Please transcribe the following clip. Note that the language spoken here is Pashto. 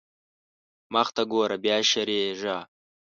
مخته ګوره بيا شېرېږا.